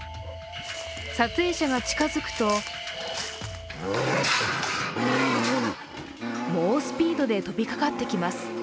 撮影者が近づくと猛スピードで飛びかかってきます。